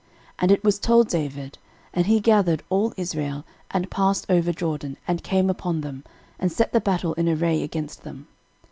13:019:017 And it was told David; and he gathered all Israel, and passed over Jordan, and came upon them, and set the battle in array against them.